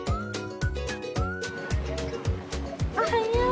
おはよう！